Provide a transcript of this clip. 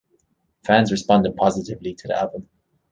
Fans responded positively to the album.